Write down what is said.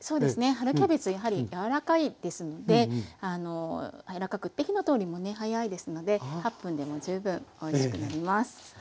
春キャベツやはり柔らかいですので柔らかくて火の通りもね早いですので８分でも十分おいしくなります。